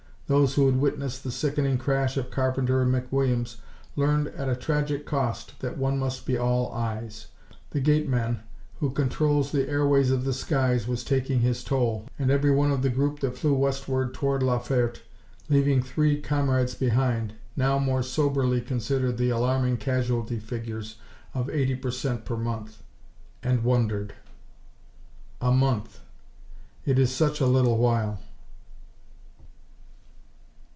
Those who had witnessed the sickening crash of Carpenter and McWilliams learned at a tragic cost that one must be all eyes. The gateman, who controls the airways of the skies, was taking his toll, and every one of the group that flew westward toward La Ferte, leaving three comrades behind, now more soberly considered the alarming casualty figures of eighty per cent per month and wondered! A month! It is such a little while.